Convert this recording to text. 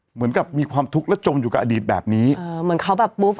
เหมือนกับมีความทุกข์แล้วจมอยู่กับอดีตแบบนี้เออเหมือนเขาแบบปุ๊บ